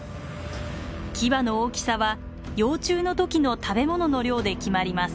キバの大きさは幼虫の時の食べ物の量で決まります。